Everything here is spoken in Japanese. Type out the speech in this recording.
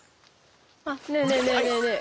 あっねえねえねえねえねえ。